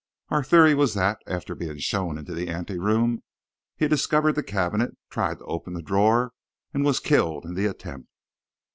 "Our theory was that, after being shown into the ante room, he discovered the cabinet, tried to open the drawer, and was killed in the attempt.